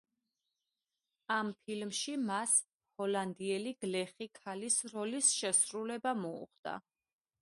ამ ფილმში მას ჰოლანდიელი გლეხი ქალის როლის შესრულება მოუხდა.